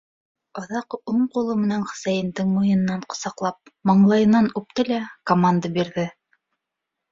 Аҙаҡ уң ҡулы менән Хөсәйендең муйынынан ҡосаҡлап, маңлайынан үпте лә команда бирҙе: